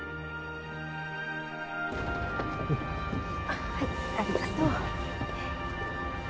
あっはいありがとう。